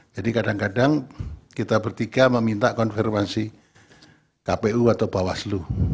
jadi kadang kadang kita bertiga meminta konfirmasi kpu atau bahwa selu